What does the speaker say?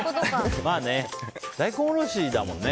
大根おろしだもんね。